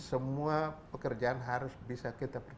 semua pekerjaan harus bisa kita periksa